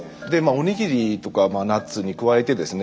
おにぎりとかナッツに加えてですね